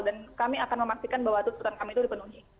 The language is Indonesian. dan kami akan memastikan bahwa tuntutan kami itu dipenuhi